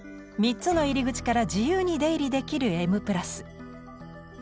３つの入り口から自由に出入りできる「Ｍ＋」。